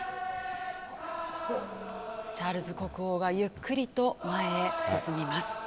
チャールズ国王がゆっくりと前へ進みます。